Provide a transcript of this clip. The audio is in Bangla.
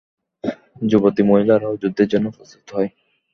যুবতী মহিলারাও যুদ্ধের জন্য প্রস্তুত হয়।